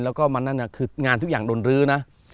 แล้วก็วันนั้นคืองานทุกอย่างโดนรื้อนะ